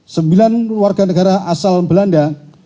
sembilan warga negara asal belanda